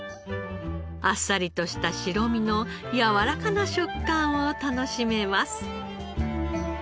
あっさりとした白身のやわらかな食感を楽しめます。